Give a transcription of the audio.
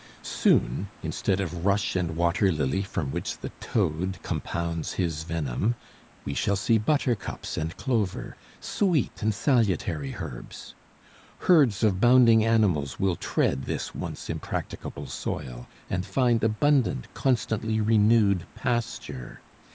Soon, instead of rush and water lily from which the toad compounds his venom, we shall see buttercups and clover, sweet and salutary herbs. Herds of bounding animals will tread this once impracticable soil and find abundant, constantly renewed pasture.